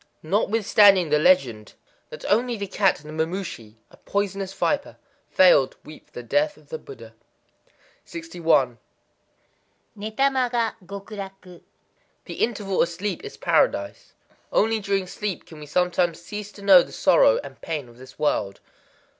Notwithstanding the legend that only the cat and the mamushi (a poisonous viper) failed to weep for the death of the Buddha. 61.—Néta ma ga Gokuraku. The interval of sleep is Paradise. Only during sleep can we sometimes cease to know the sorrow and pain of this world.